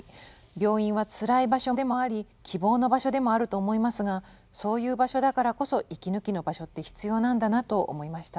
病院はつらい場所でもあり希望の場所でもあると思いますがそういう場所だからこそ息抜きの場所って必要なんだなと思いました」。